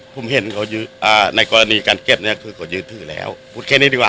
ผมเห็นเขาอ่าในกรณีการเก็บเนี่ยคือเขายื้อถือแล้วพูดแค่นี้ดีกว่า